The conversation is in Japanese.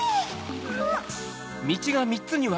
あっ。